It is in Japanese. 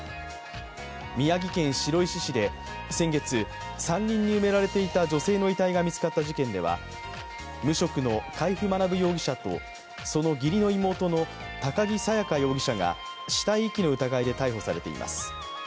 宮城県白石市で先月、山林に埋められていた女性の遺体が見つかった事件では無職の海部学容疑者とその義理の妹の高木沙耶花容疑者が死体遺棄の疑いで逮捕されています。